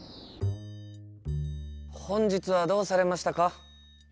本日はどうされましたか？